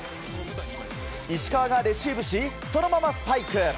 石川がレシーブしそのままスパイク。